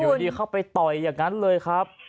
อยู่ดีเข้าไปต่อยอย่างนั้นเลยครับ